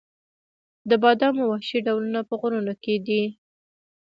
د بادامو وحشي ډولونه په غرونو کې دي؟